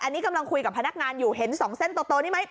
อันนี้กำลังคุยกับพนักงานอยู่เห็น๒เส้นโตนี่ไหม